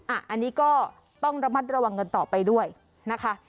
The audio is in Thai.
อันนี้ก็ต้องระมัดระวังกันต่อไปด้วยนะคะ